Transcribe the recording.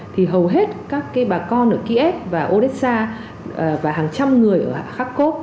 thì hầu hết các bà con ở kiev và odessa và hàng trăm người ở kharkov